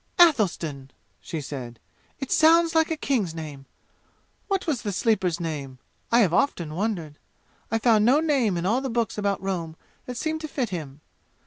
"Athelstan!" she said. "It sounds like a king's name! What was the Sleeper's name? I have often wondered! I found no name in all the books about Rome that seemed to fit him.